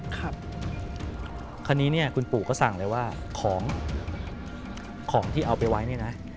คราวนี้คุณปู่ก็สั่งเลยว่าของที่เอาไปไว้นี่นะ